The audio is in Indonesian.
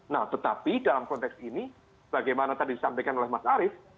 nah tetapi dalam konteks ini bagaimana tadi disampaikan oleh mas arief